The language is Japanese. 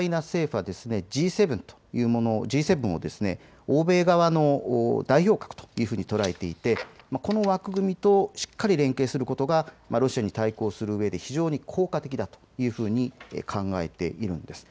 ウクライナ政府はＧ７を欧米側の代表格と捉えていてこの枠組みとしっかり連携することがロシアに対抗するうえで非常に効果的だと考えているんです。